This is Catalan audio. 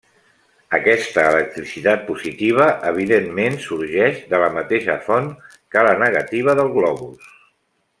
Aquesta electricitat positiva, evidentment, sorgeix de la mateixa font que la negativa del globus.